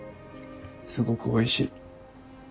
すごくおいしい。